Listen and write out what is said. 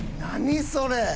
何それ。